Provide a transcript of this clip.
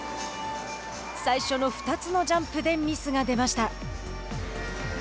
最初の２つのジャンプでミスが出ました。